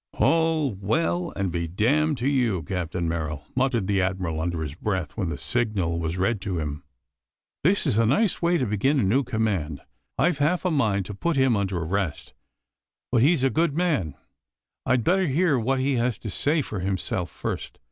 "All well, and be damned to you, Captain Merrill!" muttered the Admiral under his breath, when the signal was read to him. "This is a nice way to begin a new command. I've half a mind to put him under arrest: but he's a good man. I'd better hear what he has to say for himself first.